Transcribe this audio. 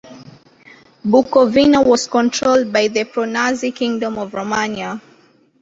Bukovina was controlled by the pro-Nazi Kingdom of Romania.